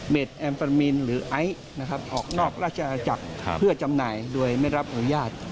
แอมฟามินหรือไอซ์นะครับออกนอกราชอาจักรเพื่อจำหน่ายโดยไม่รับอนุญาต